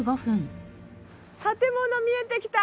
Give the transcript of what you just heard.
建物見えてきた！